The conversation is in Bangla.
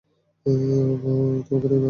অহ, বোহ, তোমাকে নিয়ে আর পাড়ি না।